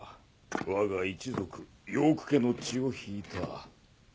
わが一族ヨーク家の血を引いた。